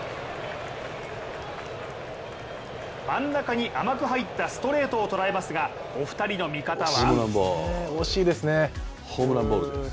真ん中に甘く入ったストレートを捉えますが、お二人の見方は？